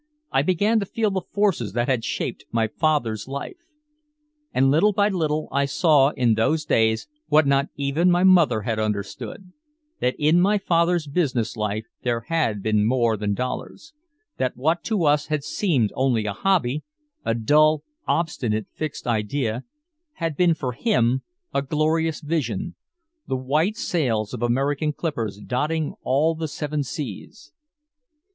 I began to feel the forces that had shaped my father's life. And little by little I saw in those days what not even my mother had understood, that in my father's business life there had been more than dollars, that what to us had seemed only a hobby, a dull obstinate fixed idea, had been for him a glorious vision the white sails of American clippers dotting all the seven seas.